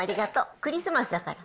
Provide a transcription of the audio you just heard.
クリスマスだから。